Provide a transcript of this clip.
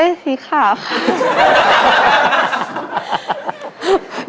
เอ๊ะสีขาวค่ะ